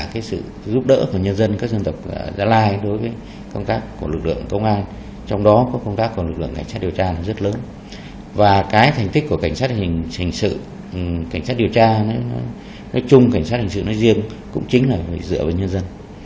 cảnh sát hình sự cảnh sát điều tra nói chung cảnh sát hình sự nói riêng cũng chính là dựa vào nhân dân